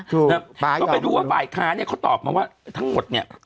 ถูกนะก็ไปดูว่าฝ่ายค้าเนี่ยเขาตอบมาว่าทั้งหมดเนี่ย